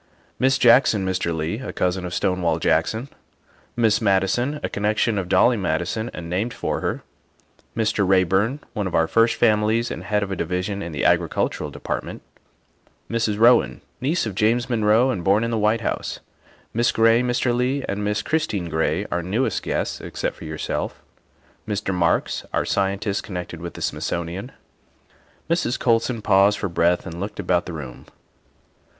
" Miss Jackson, Mr. Leigh (a cousin of Stonewall Jackson) ; Miss Madison (a connection of Dolly Madison and named for her) ; Mr. Reyburn (one of our first families and head of a division in the Agricultural De partment) ; Mrs. Rowen (niece of James Monroe and born in the White House) ; Miss Gray, Mr. Leigh, and Miss Christine Gray (our newest guests except your self) ; Mr. Marks (our Scientist connected with the Smithsonian)." Mrs. Colson paused for breath and looked about the room.